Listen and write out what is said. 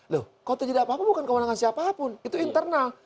loh kalau tidak apa apa bukan kewenangan siapapun itu internal